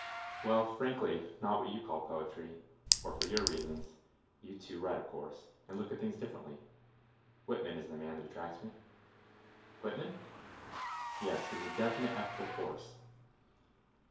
"Well, frankly, not what you call poetry, or for your reasons—you two write, of course, and look at things differently. Whitman is the man that attracts me." "Whitman?" "Yes; he's a definite ethical force."